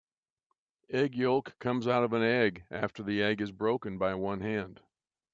Egg yolk comes out of an egg after the egg is broken by one hand